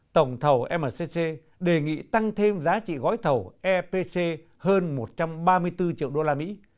tổng thầu mcc đề nghị tăng thêm giá trị gói thầu epc hơn một trăm ba mươi bốn triệu đô la mỹ